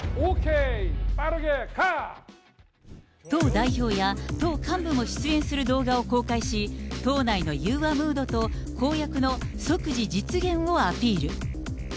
党代表や党幹部も出演する動画を公開し、党内の融和ムードと、公約の即時実現をアピール。